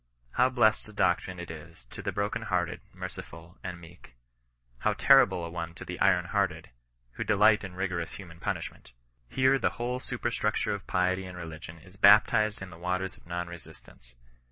How blessed a doctrine is it to the broken hearted, merciful, and meek ! How terrible a one to the iron hearted, who d^ light in rigorous human punishment ! Here the whole superstructure of piety and religion is baptized in the waters of non resistance.